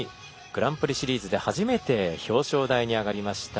グランプリシリーズでは初めて表彰台に上りました